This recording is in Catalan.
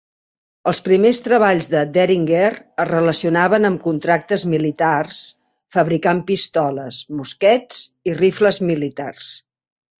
Els primers treballs de Deringer es relacionaven amb contractes militars, fabricant pistoles, mosquets i rifles militars.